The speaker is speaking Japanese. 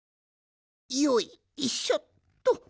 よいしょっと。